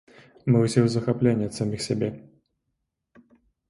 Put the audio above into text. Мы ўсе ў захапленні ад саміх сябе.